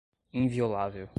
inviolável